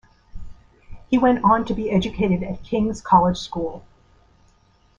He went on to be educated at King's College School.